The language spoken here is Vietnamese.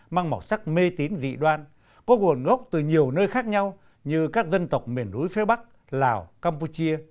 mang màu sắc mê tín dị đoan có nguồn gốc từ nhiều nơi khác nhau như các dân tộc miền núi phía bắc lào campuchia